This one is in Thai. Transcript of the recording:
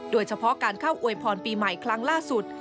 โดยเฉพาะการเข้าอวยพรปีใหม่ครั้งล่าสุด